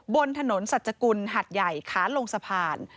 บนถนนสัจกุลหัดใหญ่ขาลงสะพาน